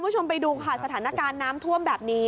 ต่อเนื่องด้วย